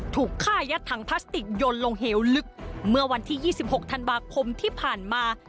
ถูกฆ่ายัดถังพลาสติกยนต์ลงเหวลึกเมื่อวันที่๒๖ธันวาคมที่ผ่านมา